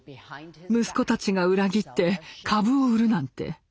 息子たちが裏切って株を売るなんて。